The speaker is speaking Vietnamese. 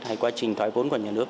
hay quá trình thói vốn của nhà nước